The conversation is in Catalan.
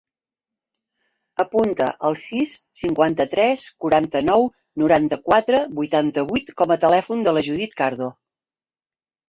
Apunta el sis, cinquanta-tres, quaranta-nou, noranta-quatre, vuitanta-vuit com a telèfon de la Judit Cardo.